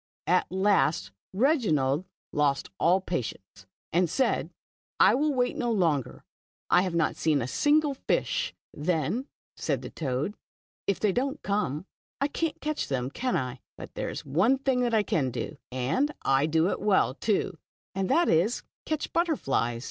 At last Reginald lost all patience, and said, " I will wait no longer, I have not seen a single fish." " Then," said the toad, " if they don't come, I can't catch them, can I ? But there is one thing I can do, and I do it well, too, and that is to catch butterflies.